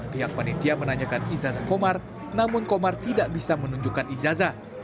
pihak penintia menanyakan ijazah komar namun komar tidak bisa menunjukkan ijazah